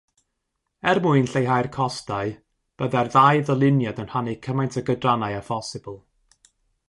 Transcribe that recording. Er mwyn lleihau'r costau, byddai'r ddau ddyluniad yn rhannu cymaint o gydrannau â phosibl.